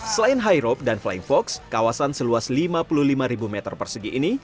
selain high rope dan flying fox kawasan seluas lima puluh lima meter persegi ini